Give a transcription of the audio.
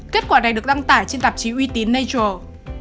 kết quả này được đăng tải trên tạp chí uy tín nature